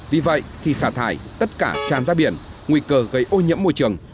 vì vậy khi xả thải tất cả tràn ra biển nguy cơ gây ô nhiễm môi trường